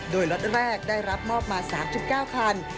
โดยล็อตแรกได้รับมอบมา๓๙คัน